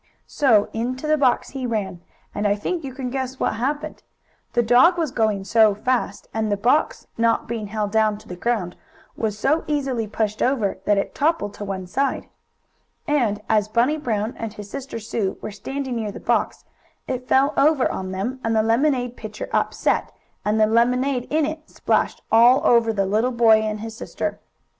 So into the box he ran, and I think you can guess what happened. The dog was going so fast, and the box, not being held down to the ground, was so easily pushed over, that it toppled to one side. And, as Bunny Brown and his sister Sue were standing near the box, it fell over on them, and the lemonade pitcher upset, and the lemonade in it splashed all over the little boy and his sister.